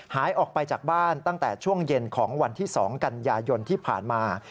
หายออกไปจากบ้านตั้งแต่ช่วงเย็นของวันที่๒กันยายนที่ผ่านมา